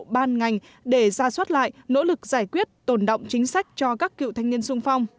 ban ngành để ra soát lại nỗ lực giải quyết tồn động chính sách cho các cựu thanh niên sung phong